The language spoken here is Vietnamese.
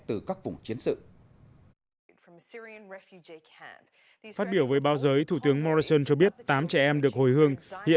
từ các vùng chiến tranh